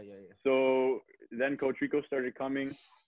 jadi coach rico mulai datang